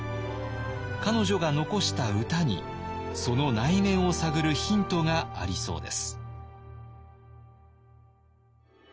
彼女が残した歌にその内面を探るヒントがありそうです。